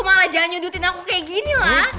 malah jangan nyudutin aku kayak ginilah